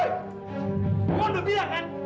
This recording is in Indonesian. lu udah bilang kan